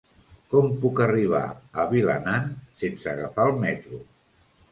Com puc arribar a Vilanant sense agafar el metro?